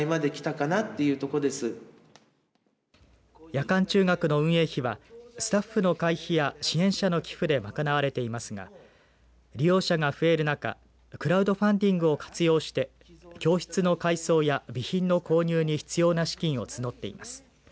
夜間中学の運営費はスタッフの会費や支援者の寄付で賄われていますが利用者が増える中クラウドファンディングを活用して教室の改装や備品の購入に必要な資金を募っています。